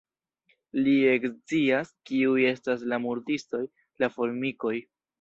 Ili ekscias kiuj estas la murdistoj: la formikoj.